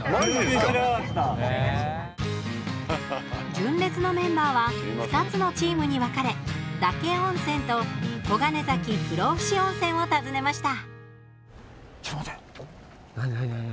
純烈のメンバーは２つのチームに分かれ嶽温泉と黄金崎不老ふ死温泉を訪ねました。